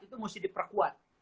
itu mesti diperkuat